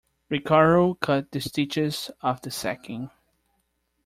Ricardo cut the stitches of the sacking.